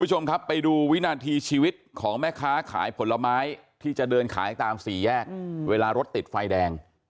คุณผู้ชมครับไปดูวินาทีชีวิตของแม่ค้าขายผลไม้ที่จะเดินขายตามสี่แยกเวลารถติดไฟแดง